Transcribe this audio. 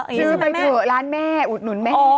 สืบไม่หรอกร้านแม่อุดหนุนแม่